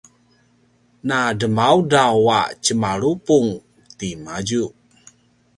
na dremaudraw a tjemalupung timadju